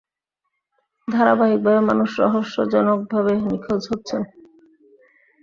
ধারাবাহিকভাবে মানুষ রহস্যজনকভাবে নিখোঁজ হচ্ছেন।